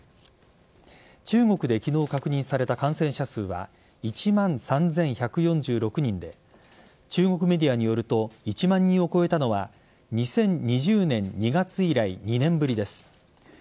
中国で昨日確認された感染者数は１万３１４６人で中国メディアによると１万人を超えたのは２０２０年２月以来２年ぶりです。